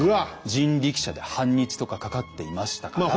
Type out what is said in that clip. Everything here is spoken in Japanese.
人力車で半日とかかかっていましたから。